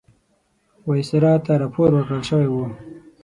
وایسرا ته راپور ورکړل شوی وو.